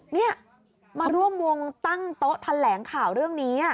นี่มาร่วมวงตั้งโต๊ะแถลงข่าวเรื่องนี้